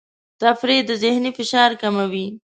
تفریح د ذهني فشار کموي.